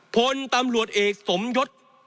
พลตำรวจเอกสมยศ